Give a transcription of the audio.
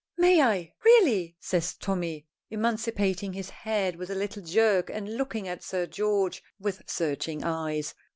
"May I? Really?" says Tommy, emancipating his head with a little jerk, and looking at Sir George with searching eyes.